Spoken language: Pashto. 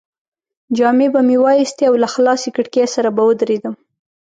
جامې به مې وایستې او له خلاصې کړکۍ سره به ودرېدم.